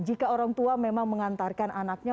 jika orang tua memang mengantarkan anaknya